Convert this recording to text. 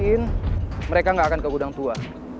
kasihin mereka gak akan ke gudang tua